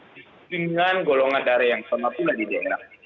dengan golongan daerah yang sama pula di daerah